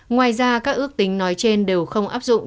ngoài ra các ước tính nói trên đều không áp dụng